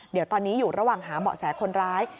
เดี๋ยวตอนนี้อยู่ระหว่างหาเบาะแสคนร้าย